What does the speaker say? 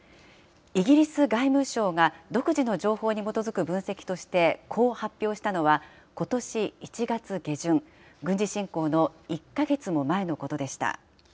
イギリス外務省が、独自の情報に基づく分析として、こう発表したのは、ことし１月下旬、軍事侵攻の１か月も前のことでした。